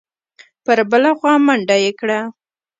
پر بله خوا منډه یې کړه.